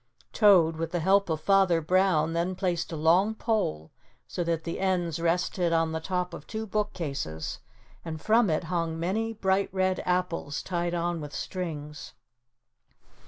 Toad, with the help of Father Brown, then placed a long pole so that the ends rested on the top of two bookcases and from it hung many bright red apples, tied on with strings.